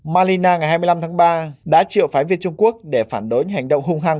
malina ngày hai mươi năm tháng ba đã triệu phái viên trung quốc để phản đối hành động hung hăng